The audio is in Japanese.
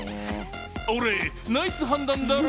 俺、ナイス判断だろ？